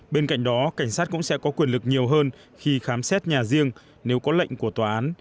bên cạnh đó cảnh sát cũng sẽ có quyền lực nhiều hơn khi khám xét nhà riêng nếu có lệnh của tòa án